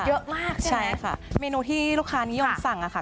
เยอะมากใช่ไหมใช่ค่ะเมนูที่ลูกค้านิยมสั่งอะค่ะ